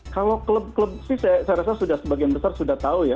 kalau klub klub sih saya rasa sudah sebagian besar sudah tahu ya